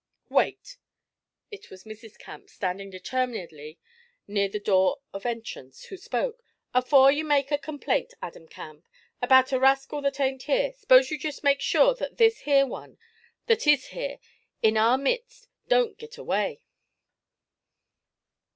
'Wait!' It was Mrs. Camp, standing determinedly near the door of entrance, who spoke. 'Afore you make a complaint, Adam Camp, about a raskil that ain't here, s'pose you jest make sure that this here one that is here in our midst don't git away.'